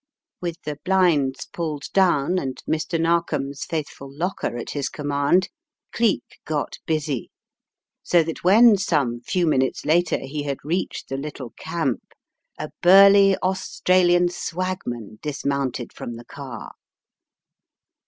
Tlie Trap 261 With the blinds pulled down, and Mr. Narkom's faithful locker at his command, Cleek got busy, so that when some few minutes later he had reached the little camp, a burly Australian swagman dismounted from the car.